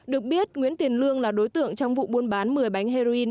được biết nguyễn tiền lương là đối tượng trong vụ buôn bán một mươi bánh heroin